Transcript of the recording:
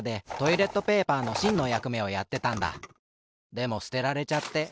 でもすてられちゃって。